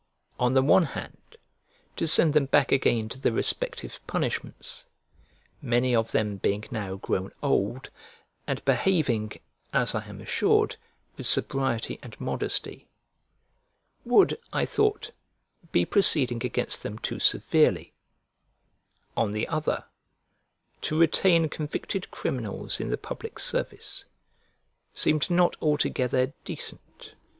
On the one hand, to send them back again to their respective punishments (many of them being now grown old, and behaving, as I am assured, with sobriety and modesty) would, I thought, be proceeding against them too severely; on the other, to retain convicted criminals in the public service, seemed not altogether decent.